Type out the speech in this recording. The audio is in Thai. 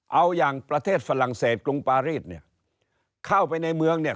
เอาอย่างประเทศฝรั่งเศสกรุงปารีสเนี่ยเข้าไปในเมืองเนี่ย